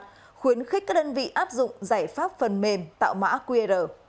khuyến khích các đơn vị áp dụng giải pháp phần mềm tạo mã qr